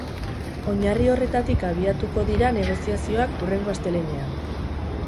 Oinarri horretatik abiatuko dira negoziazioak hurrengo astelehenean.